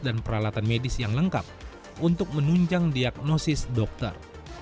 dan peralatan medis yang lengkap untuk menunjang diagnosis dokter